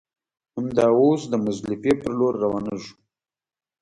همدا اوس د مزدلفې پر لور روانېږو.